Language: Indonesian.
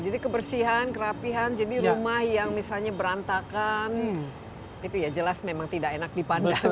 jadi kebersihan kerapihan jadi rumah yang misalnya berantakan itu ya jelas memang tidak enak dipandang